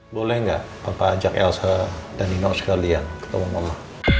boleh gak bapak ajak elsa dan ino sekalian ketemu mama